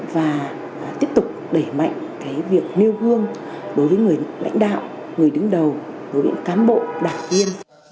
và tiếp tục đẩy mạnh cái việc nêu gương đối với người lãnh đạo người đứng đầu đối với cán bộ đảng viên